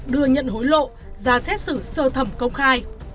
mối lộ ra xét xử sơ thẩm công khai